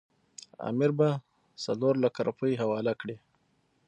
امیر به څلورلکه روپۍ حواله کړي.